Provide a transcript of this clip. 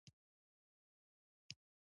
یو رنګین بیرغ